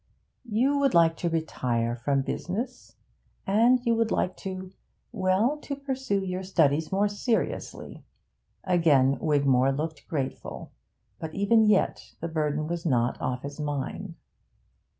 'You would like to retire from business. And you would like to well, to pursue your studies more seriously.' Again Wigmore looked grateful, but even yet the burden was not off his mind.